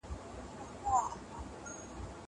ښه برخلیک یوازي د پوهي په زور نه سي جوړېدای.